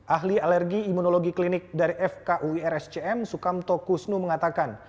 ahli alergi imunologi klinik dari fkuirscm sukamto kusnu mengatakan